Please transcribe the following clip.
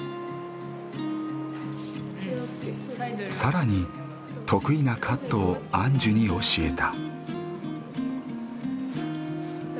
更に得意なカットをアンジュに教えた。